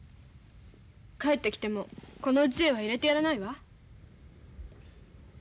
帰ってきてもこのうちへは入れてやらないわ。